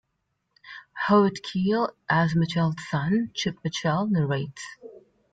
Howard Keel, as Mitchell's son "Chip Mitchell", narrates.